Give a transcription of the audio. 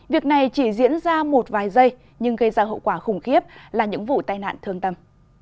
việc này chỉ diễn ra một vài giây nhưng gây ra hậu quả khủng khiếp là những vụ tai nạn thương tâm